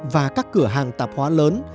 và các cửa hàng tạp hóa lớn